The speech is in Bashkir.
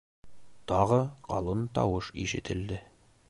Тағы ҡалын тауыш ишетелде.